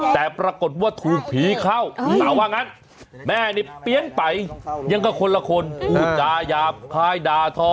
แต่ปรากฏว่าถูกผีเข้าสาวว่างั้นแม่นี่เปลี่ยนไปยังก็คนละคนพูดจาหยาบคายด่าทอ